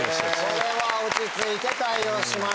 これは落ち着いて対応しました。